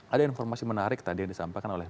ada informasi menarik tadi yang disampaikan oleh